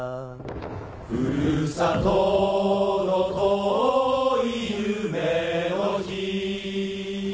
ふるさとの遠い夢の日